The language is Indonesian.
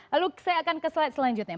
lalu saya akan ke slide selanjutnya